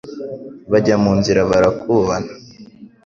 Bajya mu nzira barakubana.